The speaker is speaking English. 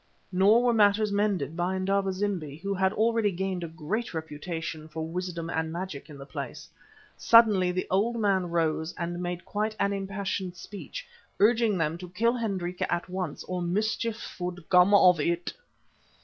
Nor were matters mended by Indaba zimbi, who had already gained a great reputation for wisdom and magic in the place. Suddenly the old man rose and made quite an impassioned speech, urging them to kill Hendrika at once or mischief would come of it.